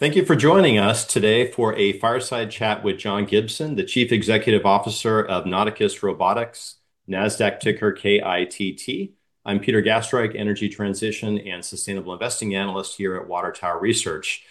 Thank you for joining us today for a fireside chat with John Gibson, the Chief Executive Officer of Nauticus Robotics, Nasdaq ticker KITT. I'm Peter Gastreich, energy transition and sustainable investing analyst here at Water Tower Research.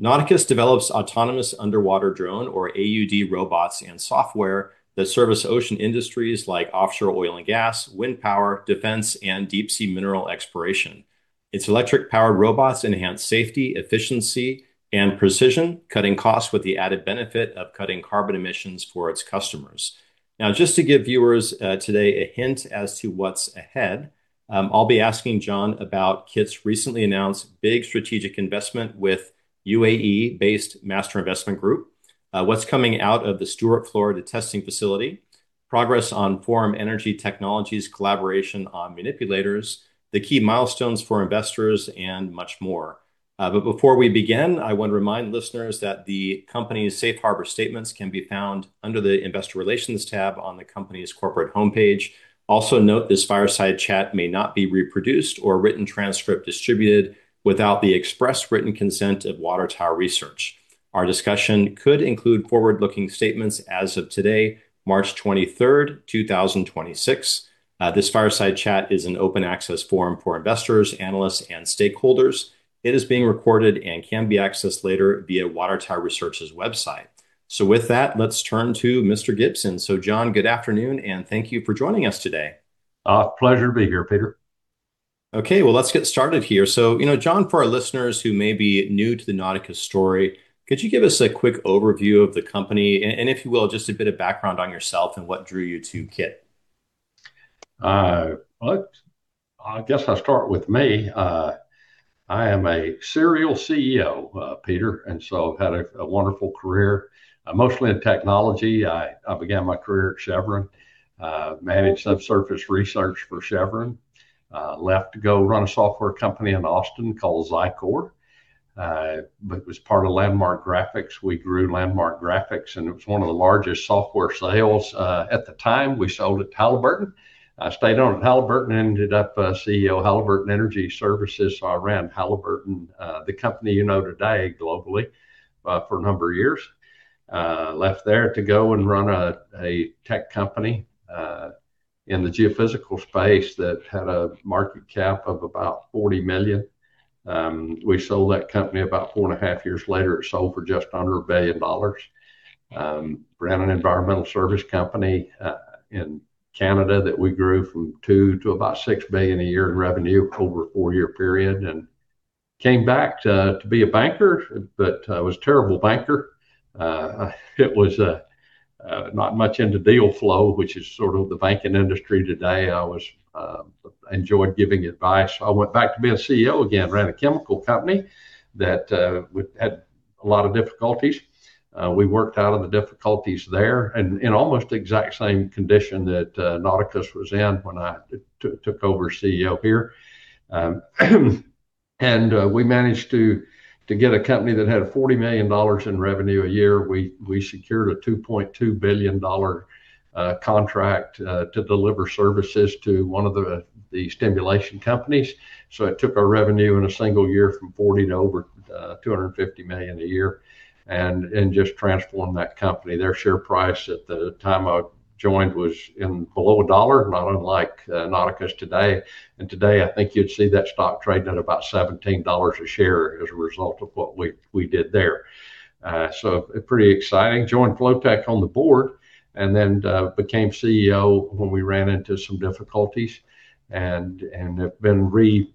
Nauticus develops autonomous underwater drone or AUD robots and software that service ocean industries like offshore oil and gas, wind power, defense, and deep sea mineral exploration. Its electric-powered robots enhance safety, efficiency, and precision, cutting costs with the added benefit of cutting carbon emissions for its customers. Now, just to give viewers today a hint as to what's ahead, I'll be asking John about KITT's recently announced big strategic investment with UAE-based Master Investment Group. What's coming out of the Stuart, Florida, testing facility, progress on Forum Energy Technologies' collaboration on manipulators, the key milestones for investors, and much more. Before we begin, I want to remind listeners that the company's safe harbor statements can be found under the Investor Relations tab on the company's corporate homepage. Also note this fireside chat may not be reproduced or a written transcript distributed without the express written consent of Water Tower Research. Our discussion could include forward-looking statements as of today, March 23rd, 2026. This fireside chat is an open access forum for investors, analysts, and stakeholders. It is being recorded and can be accessed later via Water Tower Research's website. With that, let's turn to Mr. Gibson. John, good afternoon, and thank you for joining us today. Pleasure to be here, Peter. Okay, well, let's get started here. You know, John, for our listeners who may be new to the Nauticus story, could you give us a quick overview of the company and if you will, just a bit of background on yourself and what drew you to KITT? Well, I guess I'll start with me. I am a serial CEO, Peter, and so I've had a wonderful career, mostly in technology. I began my career at Chevron, managed subsurface research for Chevron. Left to go run a software company in Austin called Zycor. It was part of Landmark Graphics. We grew Landmark Graphics, and it was one of the largest software sales at the time. We sold to Halliburton. I stayed on at Halliburton, ended up CEO of Halliburton Energy Services. I ran Halliburton, the company you know today globally, for a number of years. Left there to go and run a tech company in the geophysical space that had a market cap of about $40 million. We sold that company about four and a half years later. It sold for just under $1 billion. I ran an environmental service company in Canada that we grew from $2 billion to about $6 billion a year in revenue over a 4-year period and came back to be a banker, but I was a terrible banker. It was not much into deal flow, which is sort of the banking industry today. I enjoyed giving advice. I went back to being a CEO again. I ran a chemical company that had a lot of difficulties. We worked out of the difficulties there and in almost the exact same condition that Nauticus was in when I took over as CEO here. We managed to get a company that had $40 million in revenue a year. We secured a $2.2 billion contract to deliver services to one of the stimulation companies. It took our revenue in a single year from $40 million to over $250 million a year and just transformed that company. Their share price at the time I joined was below $1, not unlike Nauticus today. Today, I think you'd see that stock trading at about $17 a share as a result of what we did there. Pretty exciting. Joined Flowtech on the board and then became CEO when we ran into some difficulties and have been reshaping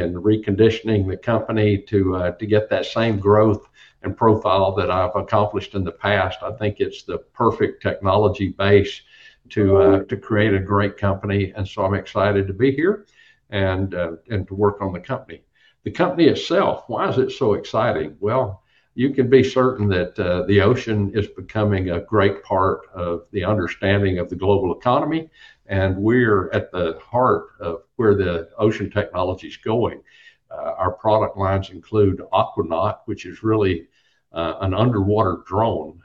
and reconditioning the company to get that same growth and profile that I've accomplished in the past. I think it's the perfect technology base to create a great company. I'm excited to be here and to work on the company. The company itself, why is it so exciting? Well, you can be certain that the ocean is becoming a great part of the understanding of the global economy, and we're at the heart of where the ocean technology is going. Our product lines include Aquanaut, which is really an underwater drone.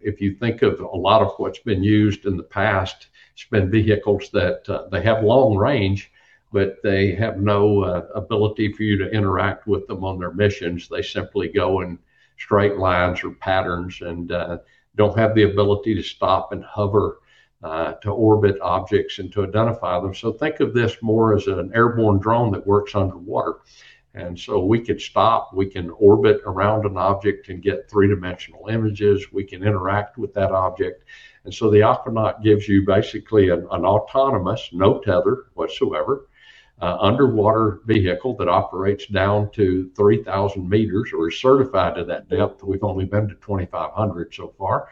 If you think of a lot of what's been used in the past, it's been vehicles that they have long range, but they have no ability for you to interact with them on their missions. They simply go in straight lines or patterns and don't have the ability to stop and hover to orbit objects and to identify them. Think of this more as an airborne drone that works underwater. We can stop, we can orbit around an object and get three-dimensional images. We can interact with that object. The Aquanaut gives you basically an autonomous, no tether whatsoever, underwater vehicle that operates down to 3,000 m or is certified to that depth. We've only been to 2,500 so far.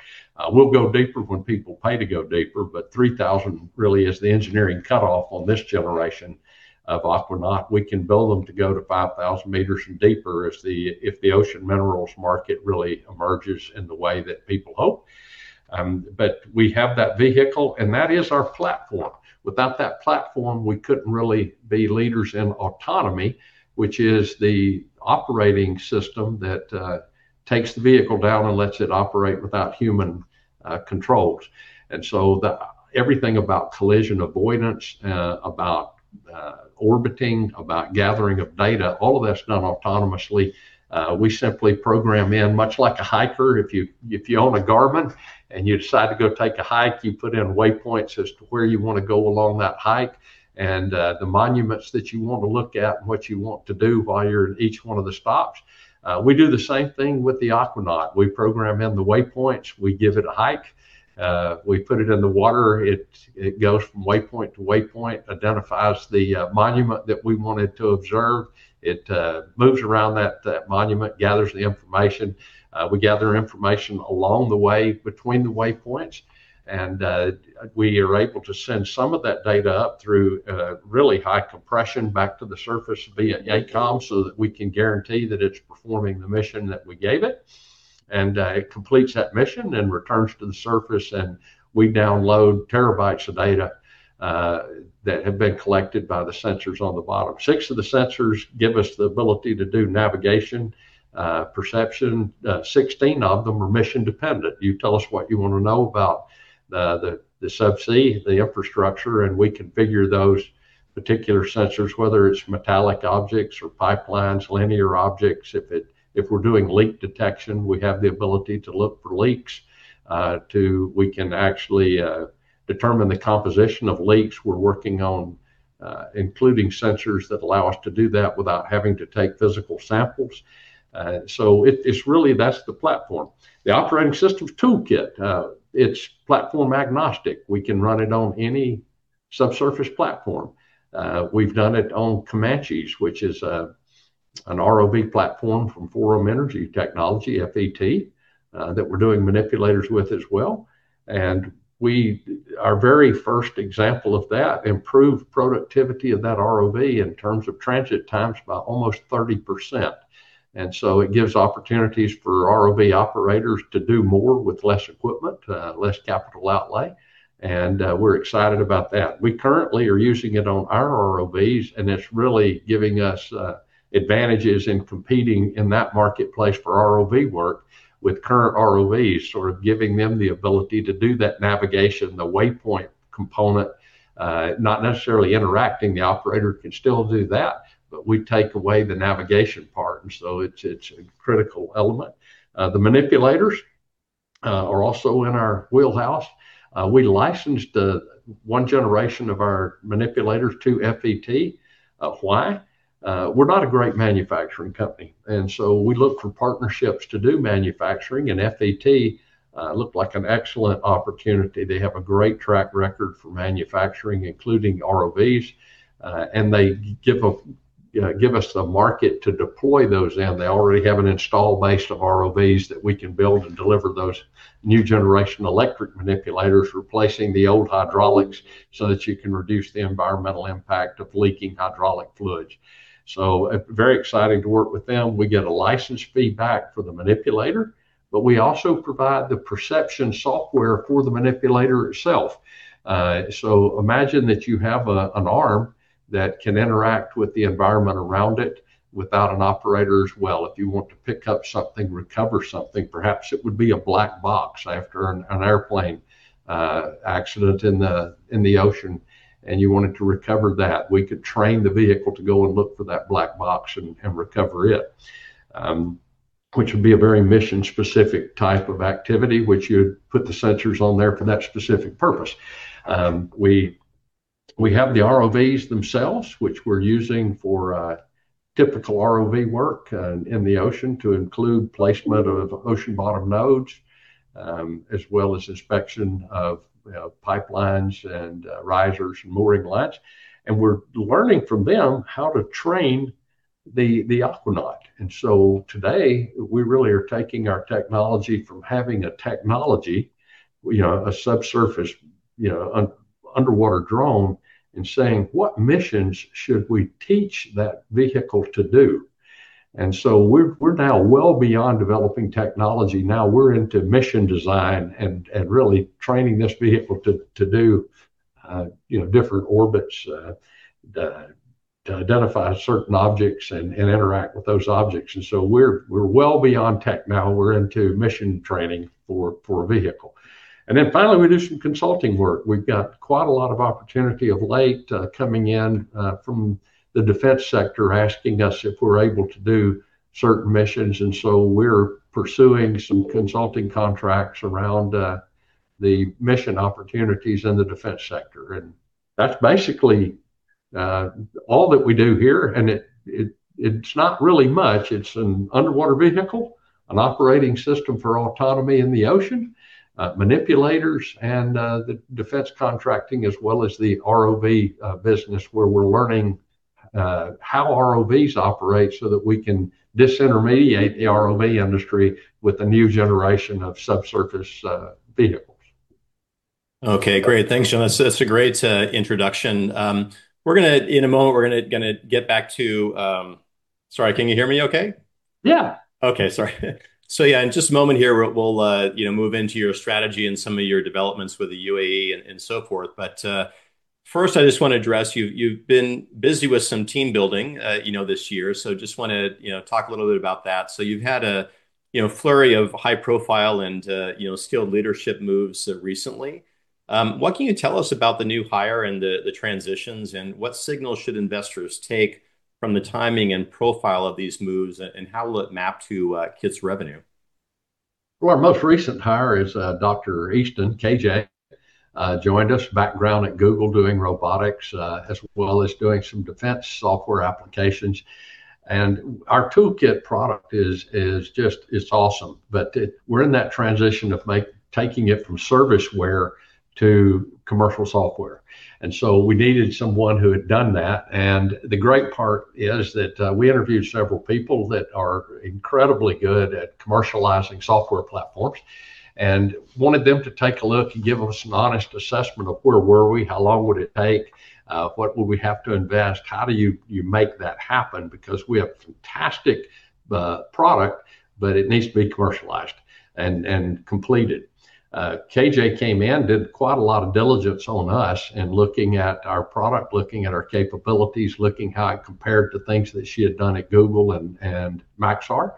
We'll go deeper when people pay to go deeper, but 3,000 really is the engineering cutoff on this generation of Aquanaut. We can build them to go to 5,000 m and deeper if the ocean minerals market really emerges in the way that people hope. We have that vehicle, and that is our platform. Without that platform, we couldn't really be leaders in autonomy, which is the operating system that takes the vehicle down and lets it operate without human controls. Everything about collision avoidance, about orbiting, about gathering of data, all of that's done autonomously. We simply program in, much like a hiker, if you own a Garmin and you decide to go take a hike, you put in waypoints as to where you wanna go along that hike and the monuments that you want to look at and what you want to do while you're in each one of the stops. We do the same thing with the Aquanaut. We program in the waypoints. We give it a hike. We put it in the water. It goes from waypoint to waypoint, identifies the monument that we want it to observe. It moves around that monument, gathers the information. We gather information along the way between the waypoints and we are able to send some of that data up through a really high compression back to the surface via ACOMMS so that we can guarantee that it's performing the mission that we gave it. It completes that mission and returns to the surface, and we download terabytes of data that have been collected by the sensors on the bottom. Six of the sensors give us the ability to do navigation, perception. Sixteen of them are mission dependent. You tell us what you wanna know about the subsea, the infrastructure, and we configure those particular sensors, whether it's metallic objects or pipelines, linear objects. If we're doing leak detection, we have the ability to look for leaks. We can actually determine the composition of leaks. We're working on including sensors that allow us to do that without having to take physical samples. It's really that. That's the platform. ToolKITT, it's platform agnostic. We can run it on any subsurface platform. We've done it on Comanche, which is an ROV platform from Forum Energy Technologies, FET, that we're doing manipulators with as well. Our very first example of that improved productivity of that ROV in terms of transit times by almost 30%. It gives opportunities for ROV operators to do more with less equipment, less capital outlay, and we're excited about that. We currently are using it on our ROVs, and it's really giving us advantages in competing in that marketplace for ROV work with current ROVs, sort of giving them the ability to do that navigation, the waypoint component, not necessarily interacting. The operator can still do that, but we take away the navigation part and so it's a critical element. The manipulators are also in our wheelhouse. We licensed one generation of our manipulators to FET. Why? We're not a great manufacturing company, and so we look for partnerships to do manufacturing, and FET looked like an excellent opportunity. They have a great track record for manufacturing, including ROVs, and they give, you know, us the market to deploy those in. They already have an install base of ROVs that we can build and deliver those new generation electric manipulators, replacing the old hydraulics so that you can reduce the environmental impact of leaking hydraulic fluids. Very exciting to work with them. We get a license fee back for the manipulator, but we also provide the perception software for the manipulator itself. Imagine that you have an arm that can interact with the environment around it without an operator as well. If you want to pick up something, recover something, perhaps it would be a black box after an airplane accident in the ocean, and you wanted to recover that. We could train the vehicle to go and look for that black box and recover it, which would be a very mission-specific type of activity, which you'd put the sensors on there for that specific purpose. We have the ROVs themselves, which we're using for typical ROV work in the ocean to include placement of ocean bottom nodes, as well as inspection of pipelines and risers and mooring lights. We're learning from them how to train the Aquanaut. Today, we really are taking our technology from having a technology, you know, a subsurface, you know, underwater drone, and saying, "What missions should we teach that vehicle to do?" We're now well beyond developing technology. Now we're into mission design and really training this vehicle to do, you know, different orbits to identify certain objects and interact with those objects. We're well beyond tech now. We're into mission training for a vehicle. Finally, we do some consulting work. We've got quite a lot of opportunity of late coming in from the defense sector asking us if we're able to do certain missions. We're pursuing some consulting contracts around the mission opportunities in the defense sector. That's basically all that we do here, and it's not really much. It's an underwater vehicle, an operating system for autonomy in the ocean, manipulators and the defense contracting as well as the ROV business where we're learning how ROVs operate so that we can disintermediate the ROV industry with a new generation of subsurface vehicles. Okay, great. Thanks, John. That's a great introduction. In a moment we're gonna get back to. Sorry, can you hear me okay? Yeah. Okay. Sorry. Yeah, in just a moment here, we'll, you know, move into your strategy and some of your developments with the UAE and so forth. First I just wanna address, you've been busy with some team building, you know, this year. Just wanna you know, talk a little bit about that. You've had a, you know, flurry of high-profile and, you know, skilled leadership moves recently. What can you tell us about the new hire and the transitions, and what signals should investors take from the timing and profile of these moves and how will it map to KITT's revenue? Well, our most recent hire is Dr. Easton, KJ joined us, background at Google doing robotics, as well as doing some defense software applications. Our ToolKITT product is just awesome. We're in that transition of taking it from serviceware to commercial software. We needed someone who had done that. The great part is that we interviewed several people that are incredibly good at commercializing software platforms and wanted them to take a look and give us an honest assessment of where were we, how long would it take, what would we have to invest, how do you make that happen, because we have a fantastic product, but it needs to be commercialized and completed. KJ came in, did quite a lot of diligence on us in looking at our product, looking at our capabilities, looking how it compared to things that she had done at Google and Maxar,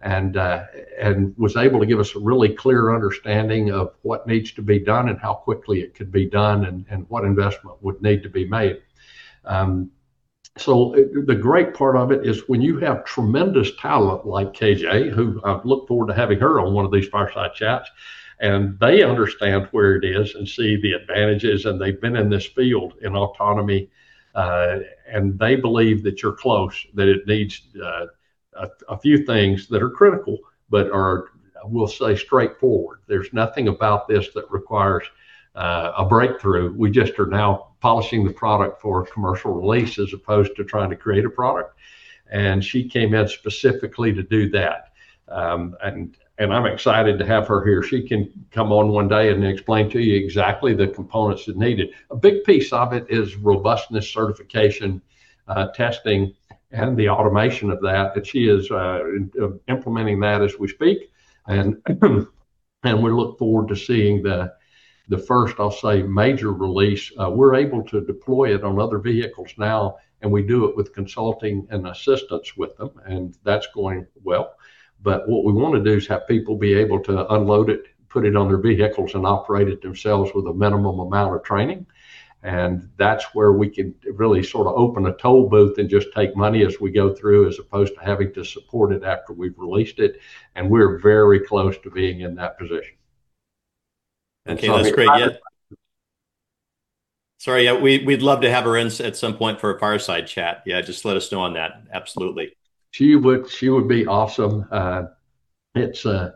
and was able to give us a really clear understanding of what needs to be done and how quickly it could be done and what investment would need to be made. The great part of it is when you have tremendous talent like KJ, who I look forward to having her on one of these Fireside Chats, and they understand where it is and see the advantages and they've been in this field, in autonomy, and they believe that you're close, that it needs a few things that are critical but are, we'll say straightforward. There's nothing about this that requires a breakthrough. We just are now polishing the product for commercial release as opposed to trying to create a product. She came in specifically to do that. I'm excited to have her here. She can come on one day and explain to you exactly the components that are needed. A big piece of it is robustness certification, testing and the automation of that, but she is implementing that as we speak. We look forward to seeing the first, I'll say, major release. We're able to deploy it on other vehicles now, and we do it with consulting and assistance with them, and that's going well. What we wanna do is have people be able to unload it, put it on their vehicles and operate it themselves with a minimum amount of training. That's where we can really sorta open a toll booth and just take money as we go through, as opposed to having to support it after we've released it. We're very close to being in that position. The- Okay. That's great. Yeah. Sorry, yeah, we'd love to have her at some point for a Fireside Chat. Yeah, just let us know on that. Absolutely. She would be awesome. It's a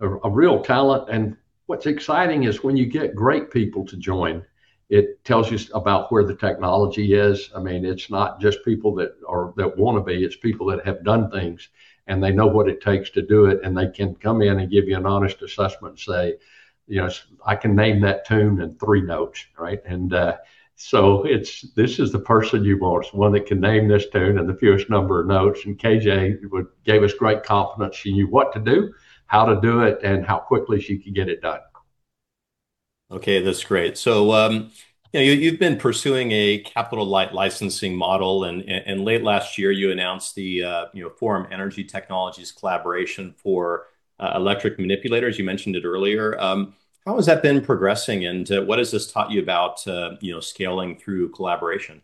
real talent. What's exciting is when you get great people to join, it tells you about where the technology is. I mean, it's not just people that wanna be, it's people that have done things and they know what it takes to do it, and they can come in and give you an honest assessment and say, "You know, I can name that tune in three notes." Right. This is the person you want. It's one that can name this tune in the fewest number of notes. KJ gave us great confidence she knew what to do, how to do it, and how quickly she could get it done. Okay, that's great. You've been pursuing a capital light licensing model and late last year you announced the Forum Energy Technologies collaboration for electric manipulators. You mentioned it earlier. How has that been progressing, and what has this taught you about scaling through collaboration?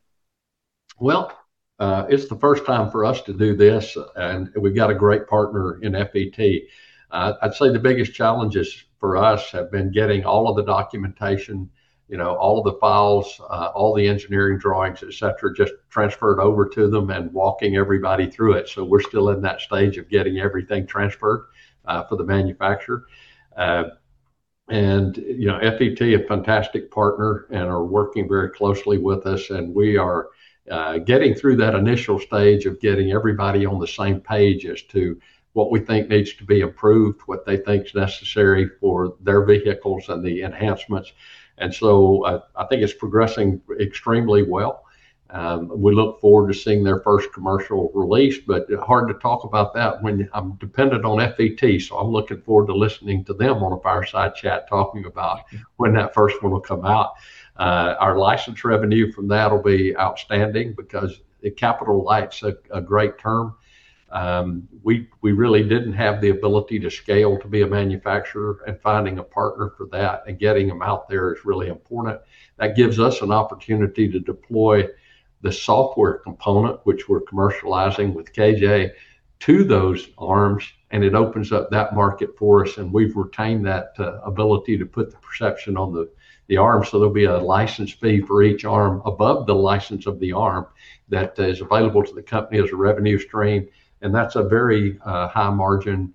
Well, it's the first time for us to do this, and we've got a great partner in FET. I'd say the biggest challenges for us have been getting all of the documentation, you know, all of the files, all the engineering drawings, et cetera, just transferred over to them and walking everybody through it. We're still in that stage of getting everything transferred for the manufacturer. You know, FET, a fantastic partner and are working very closely with us and we are getting through that initial stage of getting everybody on the same page as to what we think needs to be approved, what they think is necessary for their vehicles and the enhancements. I think it's progressing extremely well. We look forward to seeing their first commercial release, but hard to talk about that when I'm dependent on FET. I'm looking forward to listening to them on a Fireside Chat, talking about when that first one will come out. Our license revenue from that will be outstanding because the capital light's a great term. We really didn't have the ability to scale to be a manufacturer and finding a partner for that and getting them out there is really important. That gives us an opportunity to deploy the software component, which we're commercializing with KJ, to those arms, and it opens up that market for us, and we've retained that ability to put the perception on the arm. There'll be a license fee for each arm above the license of the arm that is available to the company as a revenue stream, and that's a very high margin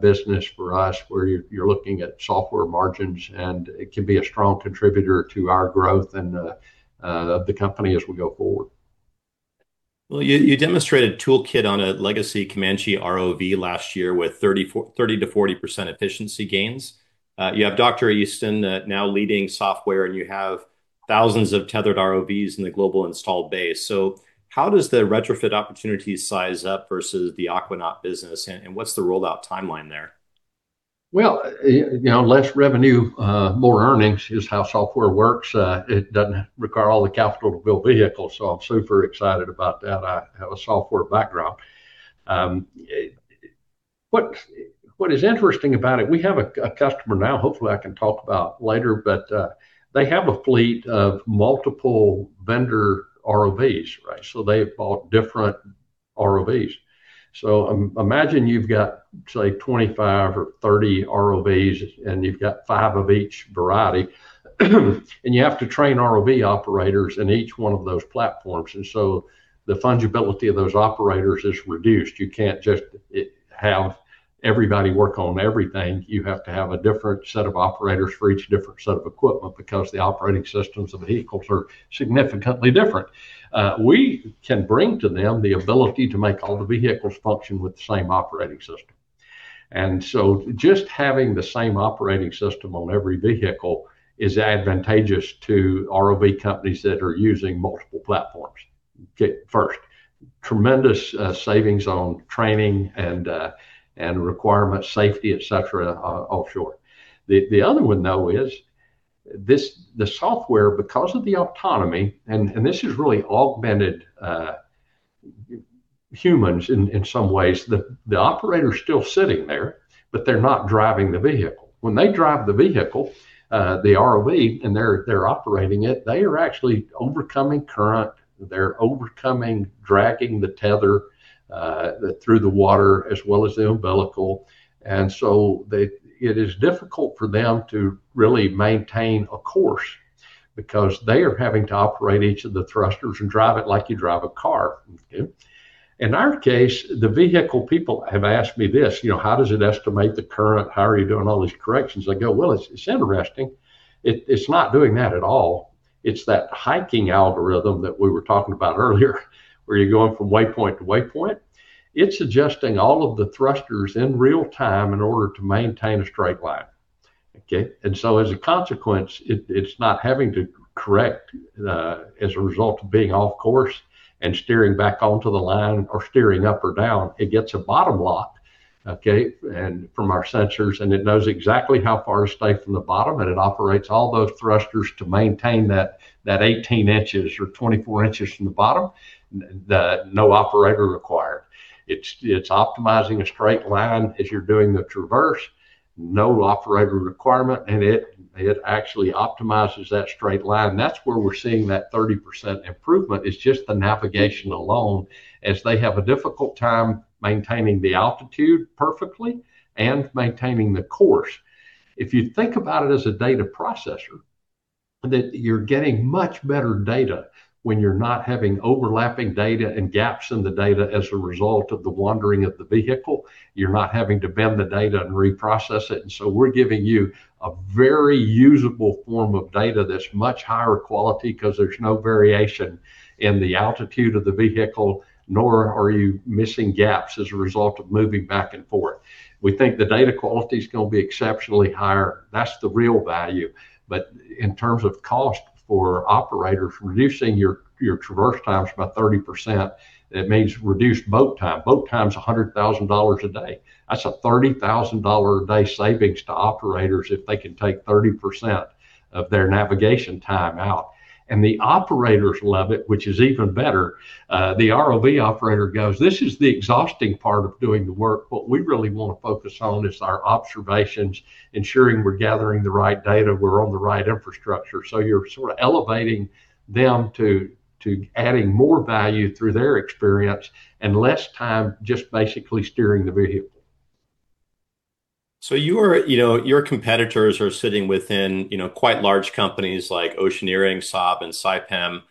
business for us, where you're looking at software margins and it can be a strong contributor to our growth and the company as we go forward. You demonstrated a toolkit on a legacy Comanche ROV last year with 30%-40% efficiency gains. You have Kjerstin Easton now leading software, and you have thousands of tethered ROVs in the global installed base. How does the retrofit opportunity size up versus the Aquanaut business, and what's the rollout timeline there? Well, you know, less revenue, more earnings is how software works. What is interesting about it, we have a customer now, hopefully I can talk about later, but they have a fleet of multiple vendor ROVs, right? So they've bought different ROVs. Imagine you've got, say, 25 or 30 ROVs, and you've got 5 of each variety, and you have to train ROV operators in each one of those platforms. The fungibility of those operators is reduced. You can't just have everybody work on everything. You have to have a different set of operators for each different set of equipment because the operating systems of the vehicles are significantly different. We can bring to them the ability to make all the vehicles function with the same operating system. Just having the same operating system on every vehicle is advantageous to ROV companies that are using multiple platforms. Okay, first, tremendous savings on training and requirement safety, et cetera, offshore. The other one, though, is this, the software because of the autonomy, and this has really augmented humans in some ways. The operator is still sitting there, but they're not driving the vehicle. When they drive the vehicle, the ROV, and they're operating it, they are actually overcoming current, they're overcoming dragging the tether through the water as well as the umbilical. It is difficult for them to really maintain a course because they are having to operate each of the thrusters and drive it like you drive a car. Okay. In our case, the vehicle people have asked me this, you know, "How does it estimate the current? How are you doing all these corrections?" I go, "Well, it's interesting. It's not doing that at all." It's that hiking algorithm that we were talking about earlier where you're going from waypoint to waypoint. It's adjusting all of the thrusters in real time in order to maintain a straight line. Okay. As a consequence, it's not having to correct as a result of being off course and steering back onto the line or steering up or down. It gets a bottom lock, and from our sensors, and it knows exactly how far to stay from the bottom, and it operates all those thrusters to maintain that 18 inches or 24 inches from the bottom. No operator required. It's optimizing a straight line as you're doing the traverse. No operator requirement, and it actually optimizes that straight line. That's where we're seeing that 30% improvement is just the navigation alone as they have a difficult time maintaining the altitude perfectly and maintaining the course. If you think about it as a data processor, that you're getting much better data when you're not having overlapping data and gaps in the data as a result of the wandering of the vehicle. You're not having to bend the data and reprocess it. We're giving you a very usable form of data that's much higher quality because there's no variation in the altitude of the vehicle, nor are you missing gaps as a result of moving back and forth. We think the data quality is going to be exceptionally higher. That's the real value. But in terms of cost for operators, reducing your traverse times by 30%, it means reduced boat time. Boat time's $100,000 a day. That's a $30,000 a day savings to operators if they can take 30% of their navigation time out. The operators love it, which is even better. The ROV operator goes, "This is the exhausting part of doing the work. What we really want to focus on is our observations, ensuring we're gathering the right data, we're on the right infrastructure. You're sort of elevating them to adding more value through their experience and less time just basically steering the vehicle. You're, you know, your competitors are sitting within, you know, quite large companies like Oceaneering, Saab and Saipem.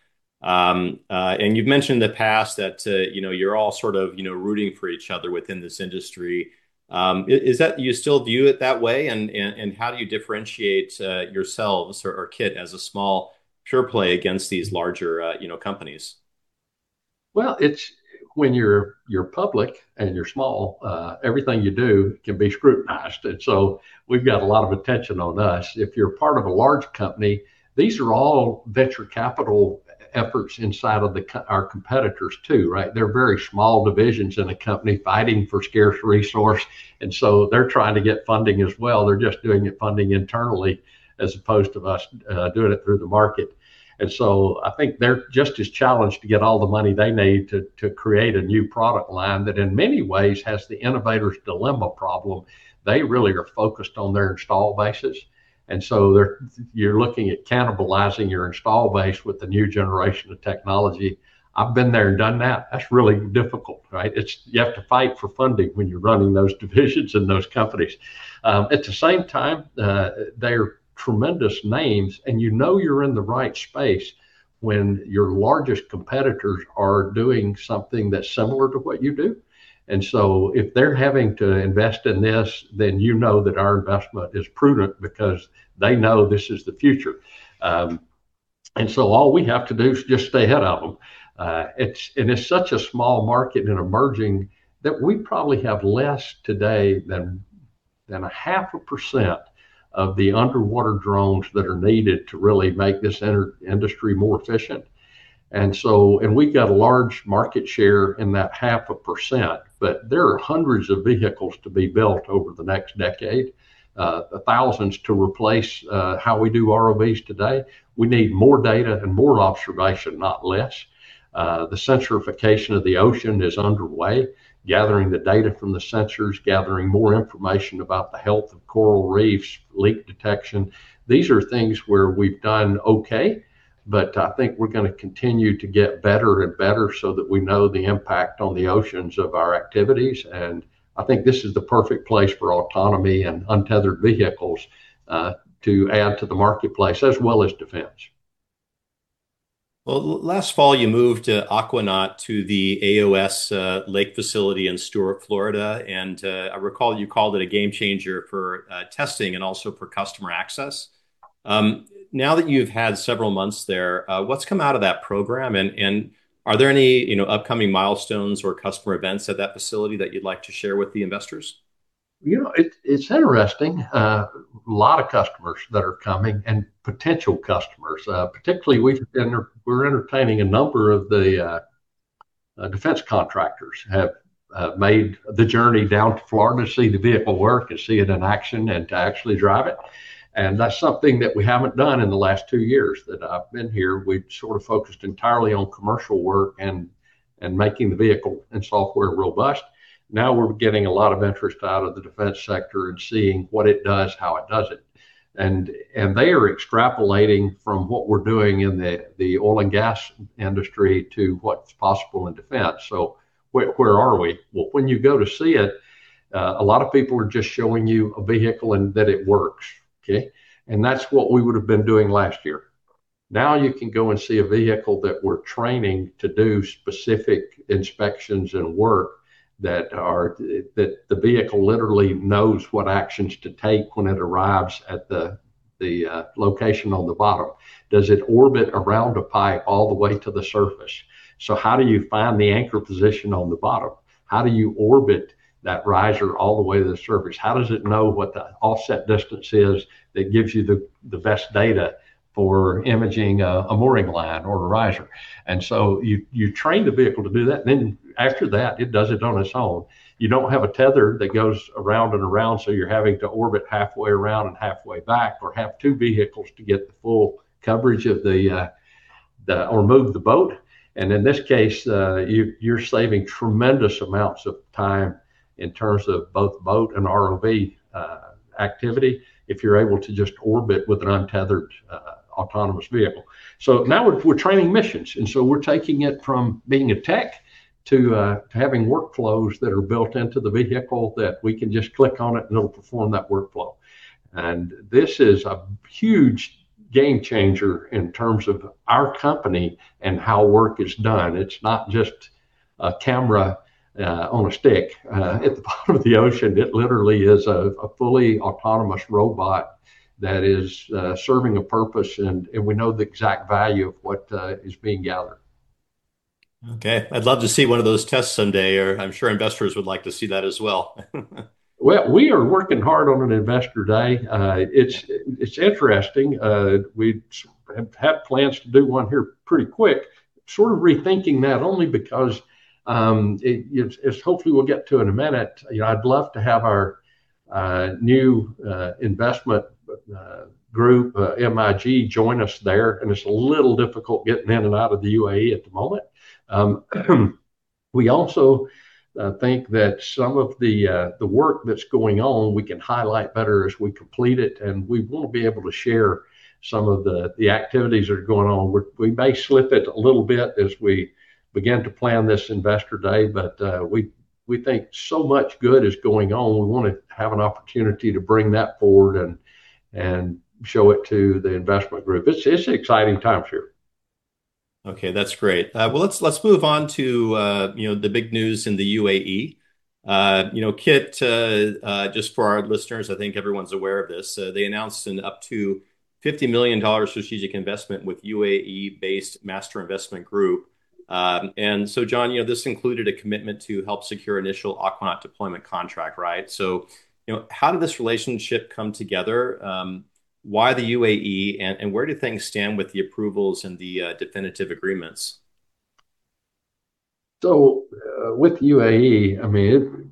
You've mentioned in the past that, you know, you're all sort of, you know, rooting for each other within this industry. Is that you still view it that way and how do you differentiate yourselves or KITT as a small pure play against these larger, you know, companies? Well, it's when you're public and you're small, everything you do can be scrutinized, and we've got a lot of attention on us. If you're part of a large company, these are all venture capital efforts inside of our competitors too, right? They're very small divisions in a company fighting for scarce resources, and they're trying to get funding as well. They're just doing the funding internally as opposed to us doing it through the market. I think they're just as challenged to get all the money they need to create a new product line that in many ways has the innovator's dilemma problem. They really are focused on their install bases. They're looking at cannibalizing your install base with the new generation of technology. I've been there and done that. That's really difficult, right? You have to fight for funding when you're running those divisions in those companies. At the same time, they're tremendous names, and you know you're in the right space when your largest competitors are doing something that's similar to what you do. If they're having to invest in this, then you know that our investment is prudent because they know this is the future. All we have to do is just stay ahead of them. It's such a small market and emerging that we probably have less today than 0.5% of the underwater drones that are needed to really make this energy industry more efficient. We've got a large market share in that 0.5%, but there are hundreds of vehicles to be built over the next decade, thousands to replace how we do ROVs today. We need more data and more observation, not less. The sensorification of the ocean is underway, gathering the data from the sensors, gathering more information about the health of coral reefs, leak detection. These are things where we've done okay, but I think we're gonna continue to get better and better so that we know the impact on the oceans of our activities. I think this is the perfect place for autonomy and untethered vehicles to add to the marketplace as well as defense. Well, last fall, you moved Aquanaut to the AOS Lake Facility in Stuart, Florida. I recall you called it a game changer for testing and also for customer access. Now that you've had several months there, what's come out of that program? Are there any, you know, upcoming milestones or customer events at that facility that you'd like to share with the investors? You know, it's interesting. A lot of customers that are coming, and potential customers. Particularly, we're entertaining a number of the defense contractors have made the journey down to Florida to see the vehicle work and see it in action and to actually drive it. That's something that we haven't done in the last two years that I've been here. We've sort of focused entirely on commercial work and making the vehicle and software robust. Now we're getting a lot of interest out of the defense sector and seeing what it does, how it does it. They are extrapolating from what we're doing in the oil and gas industry to what's possible in defense. Where are we? Well, when you go to see it, a lot of people are just showing you a vehicle and that it works, okay? That's what we would've been doing last year. Now you can go and see a vehicle that we're training to do specific inspections and work that the vehicle literally knows what actions to take when it arrives at the location on the bottom. Does it orbit around a pipe all the way to the surface? How do you find the anchor position on the bottom? How do you orbit that riser all the way to the surface? How does it know what the offset distance is that gives you the best data for imaging a mooring line or a riser? You train the vehicle to do that. Then after that, it does it on its own. You don't have a tether that goes around and around, so you're having to orbit halfway around and halfway back or have two vehicles to get the full coverage of the or move the boat. In this case, you're saving tremendous amounts of time in terms of both boat and ROV activity if you're able to just orbit with an untethered autonomous vehicle. Now we're training missions, and so we're taking it from being a tech to having workflows that are built into the vehicle that we can just click on it and it'll perform that workflow. This is a huge game changer in terms of our company and how work is done. It's not just a camera on a stick at the bottom of the ocean. It literally is a fully autonomous robot that is serving a purpose and we know the exact value of what is being gathered. Okay. I'd love to see one of those tests someday, or I'm sure investors would like to see that as well. Well, we are working hard on an investor day. It's interesting. We have plans to do one here pretty quick. Sort of rethinking that only because it's. Hopefully we'll get to it in a minute. You know, I'd love to have our new investment group MIG join us there, and it's a little difficult getting in and out of the UAE at the moment. We also think that some of the work that's going on, we can highlight better as we complete it, and we wanna be able to share some of the activities that are going on. We may slip it a little bit as we begin to plan this investor day, but we think so much good is going on, we wanna have an opportunity to bring that forward and show it to the investment group. It's exciting times here. Okay, that's great. Well, let's move on to, you know, the big news in the UAE. You know, KITT, just for our listeners, I think everyone's aware of this, they announced an up to $50 million strategic investment with UAE-based Master Investment Group. John, you know, this included a commitment to help secure initial Aquanaut deployment contract, right? You know, how did this relationship come together? Why the UAE, and where do things stand with the approvals and the definitive agreements? With UAE, I mean,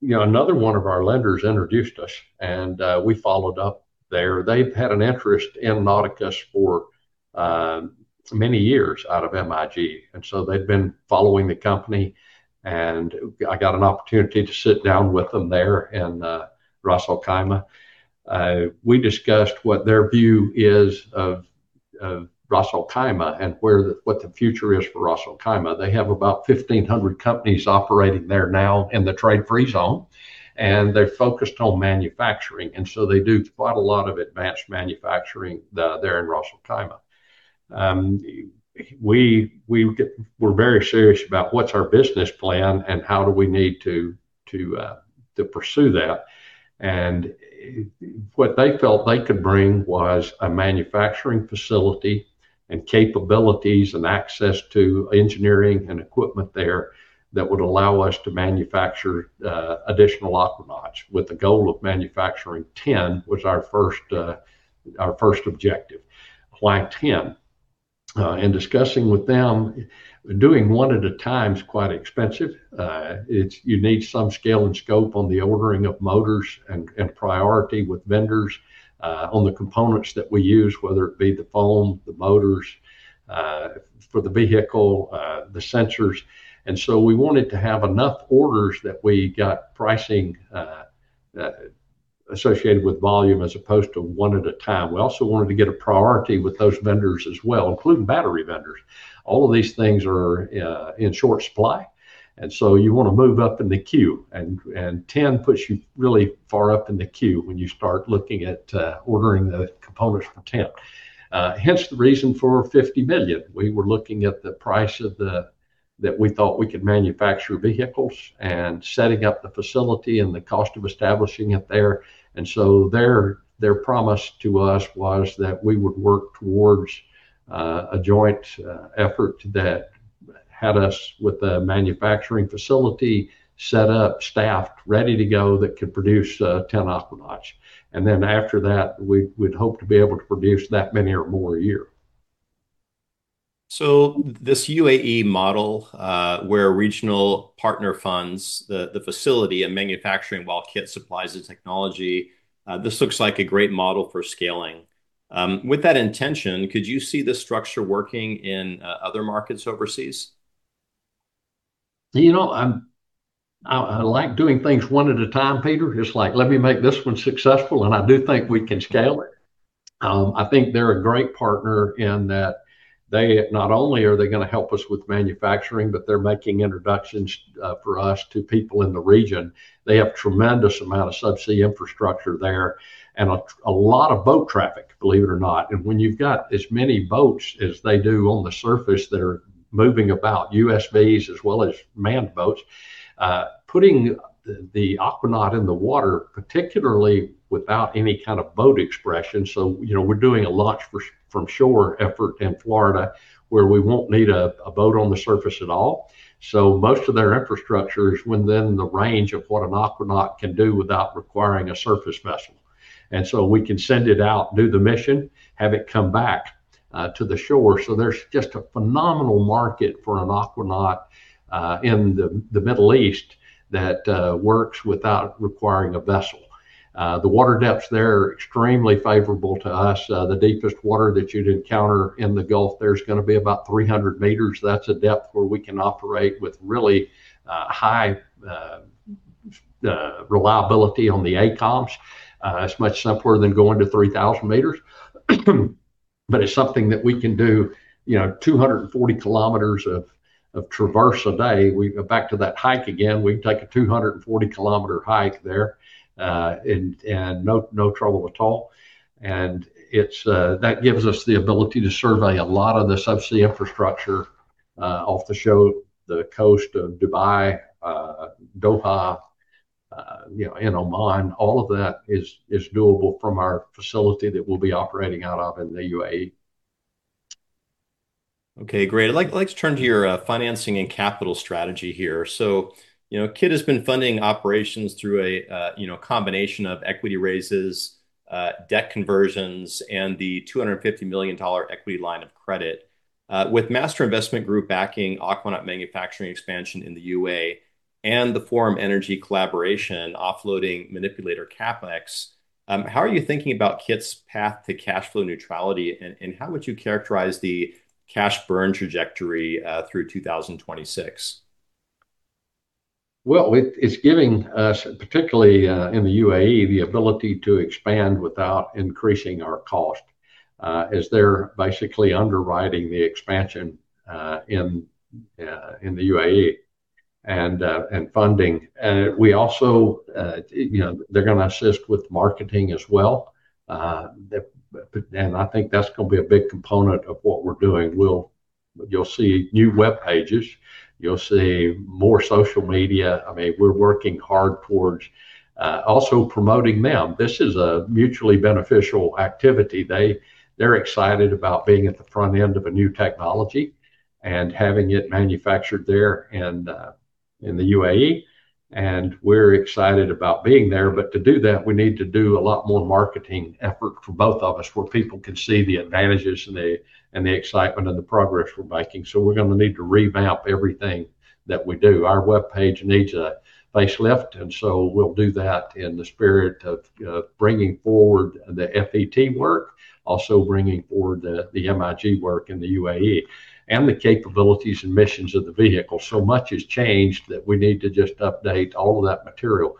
you know, another one of our lenders introduced us and we followed up there. They've had an interest in Nauticus for many years out of MIG. They've been following the company, and I got an opportunity to sit down with them there in Ras Al Khaimah. We discussed what their view is of Ras Al Khaimah and where what the future is for Ras Al Khaimah. They have about 1,500 companies operating there now in the free trade zone, and they're focused on manufacturing, and so they do quite a lot of advanced manufacturing there in Ras Al Khaimah. We're very serious about what's our business plan and how do we need to pursue that. What they felt they could bring was a manufacturing facility and capabilities and access to engineering and equipment there that would allow us to manufacture additional Aquanauts with the goal of manufacturing 10 was our first objective, client 10. In discussing with them, doing one at a time is quite expensive. You need some scale and scope on the ordering of motors and priority with vendors on the components that we use, whether it be the foam, the motors for the vehicle, the sensors. We wanted to have enough orders that we got pricing associated with volume as opposed to one at a time. We also wanted to get a priority with those vendors as well, including battery vendors. All of these things are in short supply, and so you wanna move up in the queue, and 10 puts you really far up in the queue when you start looking at ordering the components for 10. Hence the reason for $50 million. We were looking at the price of that we thought we could manufacture vehicles and setting up the facility and the cost of establishing it there. Their promise to us was that we would work towards a joint effort that had us with the manufacturing facility set up, staffed, ready to go, that could produce 10 Aquanauts. After that, we'd hope to be able to produce that many or more a year. This UAE model, where regional partner funds the facility and manufacturing while KITT supplies the technology, this looks like a great model for scaling. With that intention, could you see this structure working in other markets overseas? You know, I like doing things one at a time, Peter. Just like, let me make this one successful, and I do think we can scale it. I think they're a great partner in that they not only are gonna help us with manufacturing, but they're making introductions for us to people in the region. They have a tremendous amount of subsea infrastructure there and a lot of boat traffic, believe it or not. When you've got as many boats as they do on the surface that are moving about, USVs as well as manned boats, putting the Aquanaut in the water, particularly without any kind of boat presence, so, you know, we're doing a launch from shore effort in Florida where we won't need a boat on the surface at all. Most of their infrastructure is within the range of what an Aquanaut can do without requiring a surface vessel. We can send it out, do the mission, have it come back to the shore. There's just a phenomenal market for an Aquanaut in the Middle East that works without requiring a vessel. The water depths there are extremely favorable to us. The deepest water that you'd encounter in the Gulf there is gonna be about 300 m. That's a depth where we can operate with really high reliability on the ACOMMS. It's much simpler than going to 3,000 m. It's something that we can do, you know, 240 km of traverse a day. We go back to that hike again. We can take a 240 km hike there, and no trouble at all. It's that gives us the ability to survey a lot of the subsea infrastructure off the shore, the coast of Dubai, Doha, you know, in Oman. All of that is doable from our facility that we'll be operating out of in the UAE. Okay. Great. I'd like to turn to your financing and capital strategy here. You know, KITT has been funding operations through a combination of equity raises, debt conversions, and the $250 million equity line of credit. With Master Investment Group backing Aquanaut manufacturing expansion in the UAE and the Forum Energy collaboration offloading manipulator CapEx, how are you thinking about KITT's path to cash flow neutrality and how would you characterize the cash burn trajectory through 2026? It's giving us, particularly in the UAE, the ability to expand without increasing our cost, as they're basically underwriting the expansion in the UAE and funding. We also, you know, they're gonna assist with marketing as well. I think that's gonna be a big component of what we're doing. You'll see new web pages. You'll see more social media. I mean, we're working hard towards also promoting them. This is a mutually beneficial activity. They're excited about being at the front end of a new technology and having it manufactured there in the UAE, and we're excited about being there. To do that, we need to do a lot more marketing effort for both of us, where people can see the advantages and the excitement and the progress we're making. We're gonna need to revamp everything that we do. Our webpage needs a facelift, and so we'll do that in the spirit of bringing forward the FET work, also bringing forward the MIG work in the UAE and the capabilities and missions of the vehicle. So much has changed that we need to just update all of that material.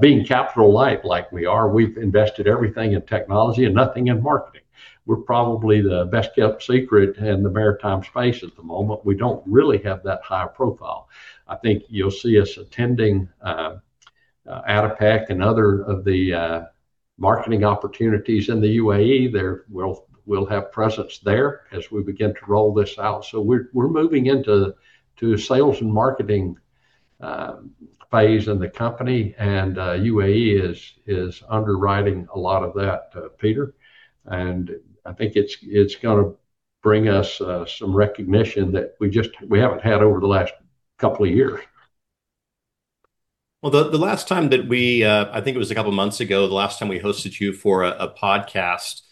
Being capital light like we are, we've invested everything in technology and nothing in marketing. We're probably the best-kept secret in the maritime space at the moment. We don't really have that high a profile. I think you'll see us attending ADIPEC and other of the marketing opportunities in the UAE. We'll have presence there as we begin to roll this out. We're moving into a sales and marketing phase in the company, and UAE is underwriting a lot of that, Peter. I think it's gonna bring us some recognition that we haven't had over the last couple of years. Well, the last time that we I think it was a couple of months ago, the last time we hosted you for a podcast,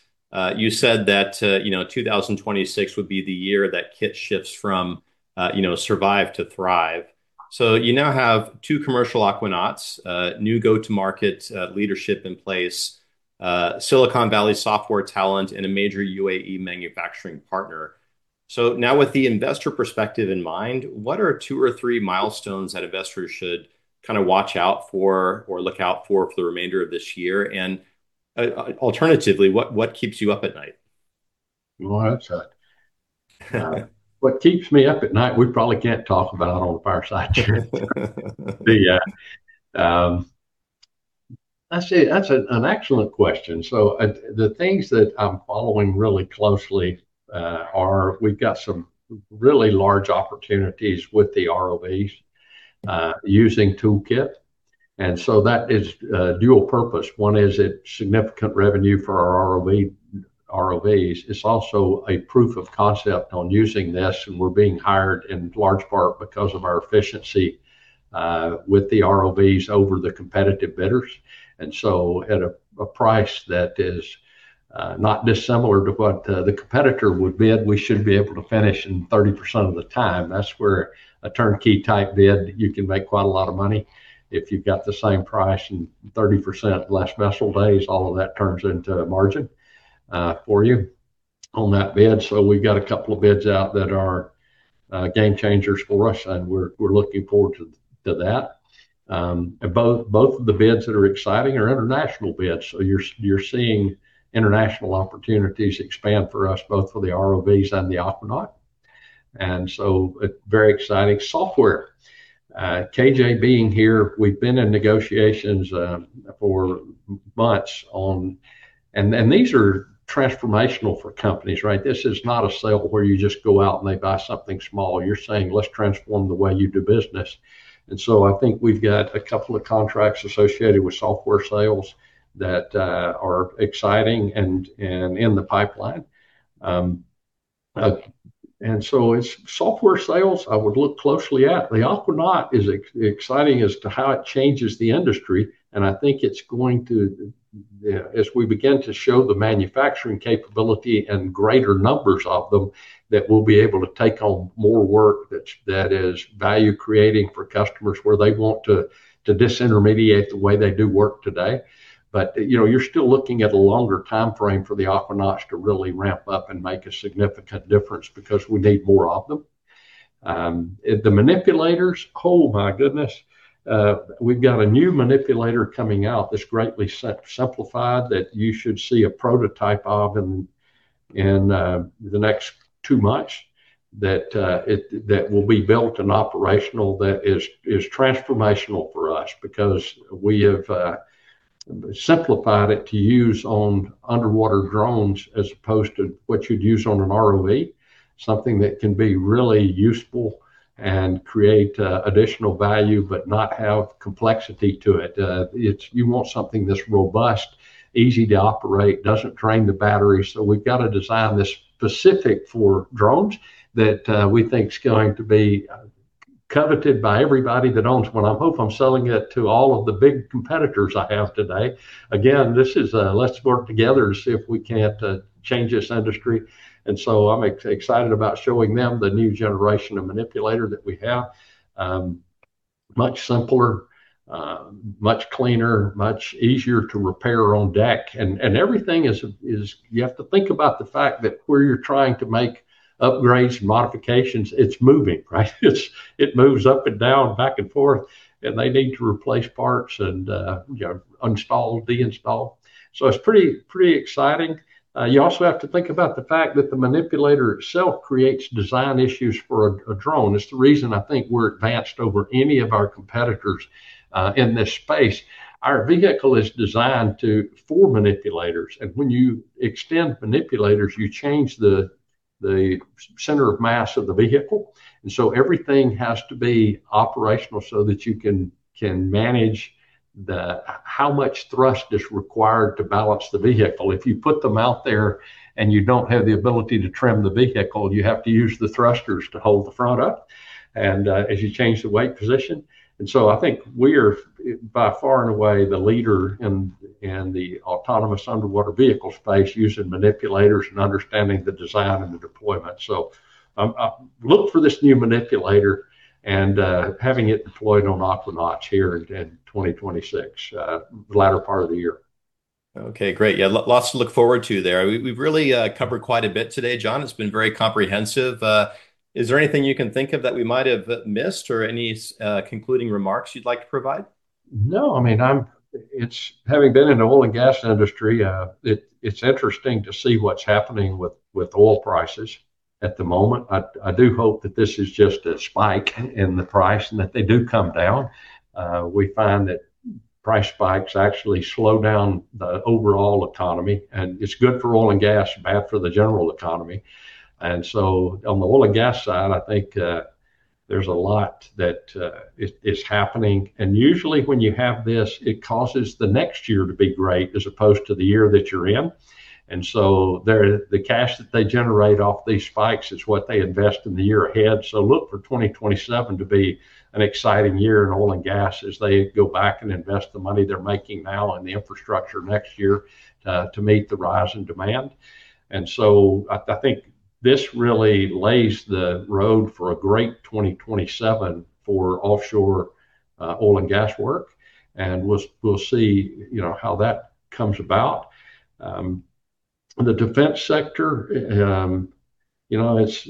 you said that you know 2026 would be the year that KITT shifts from you know survive to thrive. You now have two commercial Aquanauts, new go-to-market leadership in place, Silicon Valley software talent, and a major UAE manufacturing partner. Now with the investor perspective in mind, what are two or three milestones that investors should kind of watch out for or look out for for the remainder of this year? Alternatively, what keeps you up at night? Well, that's what keeps me up at night, we probably can't talk about on a fireside chat. That's an excellent question. The things that I'm following really closely are we've got some really large opportunities with the ROVs using ToolKITT. That is dual purpose. One is it's significant revenue for our ROVs. It's also a proof of concept on using this, and we're being hired in large part because of our efficiency with the ROVs over the competitive bidders. At a price that is not dissimilar to what the competitor would bid, we should be able to finish in 30% of the time. That's where a turnkey-type bid, you can make quite a lot of money. If you've got the same price and 30% less vessel days, all of that turns into margin for you on that bid. We've got a couple of bids out that are game changers for us, and we're looking forward to that. Both of the bids that are exciting are international bids. You're seeing international opportunities expand for us, both for the ROVs and the Aquanaut. A very exciting software. KJ being here, we've been in negotiations for months on and these are transformational for companies, right? This is not a sale where you just go out and they buy something small. You're saying, "Let's transform the way you do business." I think we've got a couple of contracts associated with software sales that are exciting and in the pipeline. It's software sales I would look closely at. The Aquanaut is exciting as to how it changes the industry, and I think it's going to, as we begin to show the manufacturing capability and greater numbers of them, that we'll be able to take on more work that is value creating for customers where they want to disintermediate the way they do work today. You know, you're still looking at a longer timeframe for the Aquanauts to really ramp up and make a significant difference because we need more of them. The manipulators, we've got a new manipulator coming out that's greatly simplified, that you should see a prototype of in the next two months that will be built and operational, that is transformational for us because we have simplified it to use on underwater drones as opposed to what you'd use on an ROV. Something that can be really useful and create additional value but not have complexity to it. You want something that's robust, easy to operate, doesn't drain the battery. We've got to design this specific for drones that we think's going to be coveted by everybody that owns one. I hope I'm selling it to all of the big competitors I have today. Again, this is a let's work together to see if we can't change this industry. I'm excited about showing them the new generation of manipulator that we have. Much simpler, much cleaner, much easier to repair on deck. Everything is. You have to think about the fact that where you're trying to make upgrades and modifications, it's moving, right? It moves up and down, back and forth, and they need to replace parts and, you know, install, de-install. It's pretty exciting. You also have to think about the fact that the manipulator itself creates design issues for a drone. It's the reason I think we're advanced over any of our competitors in this space. Our vehicle is designed for manipulators, and when you extend manipulators, you change the center of mass of the vehicle. Everything has to be operational so that you can manage how much thrust is required to balance the vehicle. If you put them out there and you don't have the ability to trim the vehicle, you have to use the thrusters to hold the front up and as you change the weight position. I think we're by far and away the leader in the autonomous underwater vehicle space using manipulators and understanding the design and the deployment. Look for this new manipulator and having it deployed on Aquanauts here in 2026, latter part of the year. Okay, great. Yeah, lots to look forward to there. We've really covered quite a bit today, John. It's been very comprehensive. Is there anything you can think of that we might have missed or any concluding remarks you'd like to provide? No, I mean, having been in the oil and gas industry, it's interesting to see what's happening with oil prices at the moment. I do hope that this is just a spike in the price and that they do come down. We find that price spikes actually slow down the overall economy, and it's good for oil and gas, bad for the general economy. On the oil and gas side, I think, there's a lot that is happening. Usually, when you have this, it causes the next year to be great as opposed to the year that you're in. There, the cash that they generate off these spikes is what they invest in the year ahead. Look for 2027 to be an exciting year in oil and gas as they go back and invest the money they're making now in the infrastructure next year to meet the rise in demand. I think this really lays the road for a great 2027 for offshore oil and gas work, and we'll see you know how that comes about. The defense sector you know it's.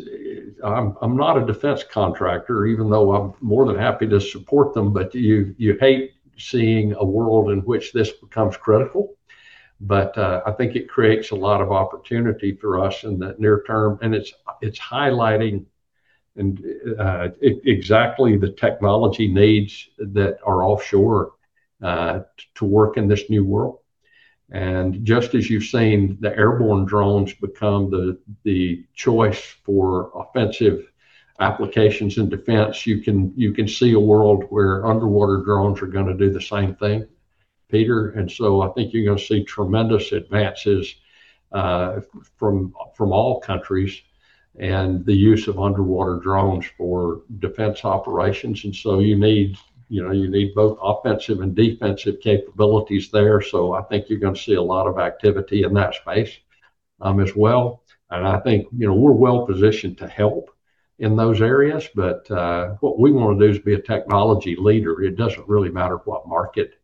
I'm not a defense contractor, even though I'm more than happy to support them. You hate seeing a world in which this becomes critical. I think it creates a lot of opportunity for us in the near term, and it's highlighting and exactly the technology needs that are offshore to work in this new world. Just as you've seen the airborne drones become the choice for offensive applications in defense, you can see a world where underwater drones are gonna do the same thing, Peter. I think you're gonna see tremendous advances from all countries and the use of underwater drones for defense operations. You need, you know, both offensive and defensive capabilities there. I think you're gonna see a lot of activity in that space as well. I think, you know, we're well positioned to help in those areas. What we wanna do is be a technology leader. It doesn't really matter what market.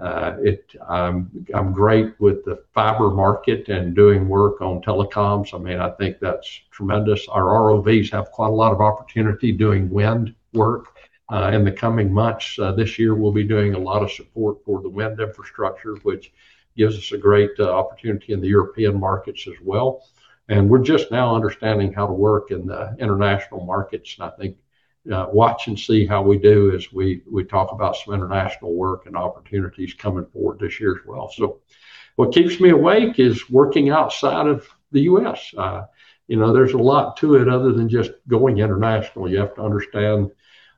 I'm great with the fiber market and doing work on telecoms. I mean, I think that's tremendous. Our ROVs have quite a lot of opportunity doing wind work. In the coming months, this year we'll be doing a lot of support for the wind infrastructure, which gives us a great opportunity in the European markets as well, and we're just now understanding how to work in the international markets. I think watch and see how we do as we talk about some international work and opportunities coming forward this year as well. What keeps me awake is working outside of the U.S. You know, there's a lot to it other than just going international. You have to understand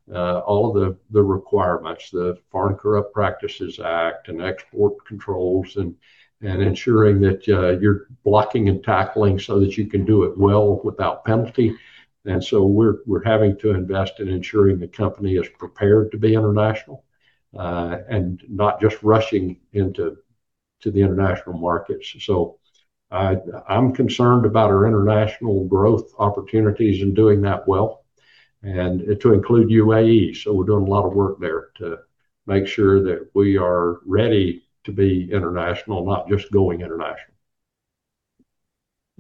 all the requirements, the Foreign Corrupt Practices Act and export controls and ensuring that you're blocking and tackling so that you can do it well without penalty. We're having to invest in ensuring the company is prepared to be international, and not just rushing into the international markets. I'm concerned about our international growth opportunities in doing that well, and to include UAE. We're doing a lot of work there to make sure that we are ready to be international, not just going international.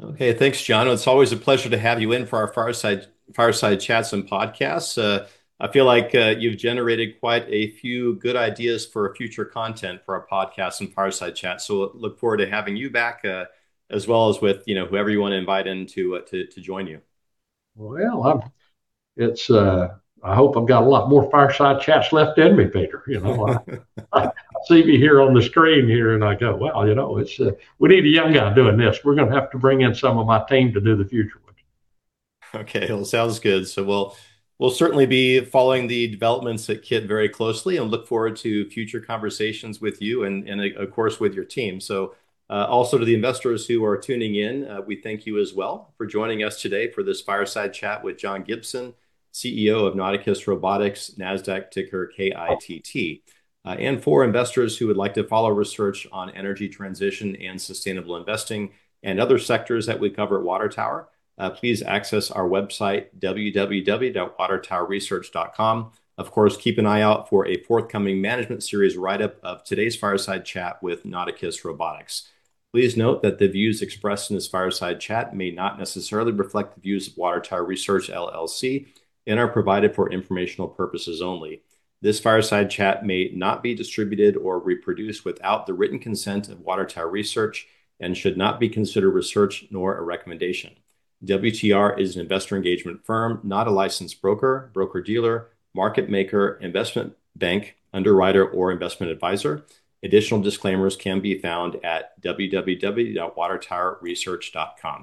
Okay. Thanks, John. It's always a pleasure to have you in for our Fireside Chats and podcasts. I feel like you've generated quite a few good ideas for our future content for our podcast and Fireside Chat, so look forward to having you back, as well as with, you know, whoever you wanna invite in to join you. Well, I hope I've got a lot more Fireside Chats left in me, Peter. You know? I see me here on the screen here, and I go, "Well, you know, we need a young guy doing this." We're gonna have to bring in some of my team to do the future ones. Okay. Well, sounds good. We'll certainly be following the developments at KITT very closely and look forward to future conversations with you and, of course, with your team. Also to the investors who are tuning in, we thank you as well for joining us today for this Fireside Chat with John Gibson, CEO of Nauticus Robotics, Nasdaq ticker KITT. For investors who would like to follow research on energy transition and sustainable investing and other sectors that we cover at Water Tower, please access our website, www.watertowerresearch.com. Of course, keep an eye out for a forthcoming management series writeup of today's Fireside Chat with Nauticus Robotics. Please note that the views expressed in this Fireside Chat may not necessarily reflect the views of Water Tower Research LLC and are provided for informational purposes only. This Fireside Chat may not be distributed or reproduced without the written consent of Water Tower Research and should not be considered research nor a recommendation. WTR is an investor engagement firm, not a licensed broker-dealer, market maker, investment bank, underwriter, or investment advisor. Additional disclaimers can be found at www.watertowerresearch.com.